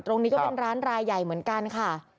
ตรงนี้ก็เป็นร้านรายใหญ่เหมือนกันค่ะ